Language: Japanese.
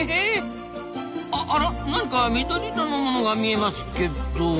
ああら何か緑色の物が見えますけど。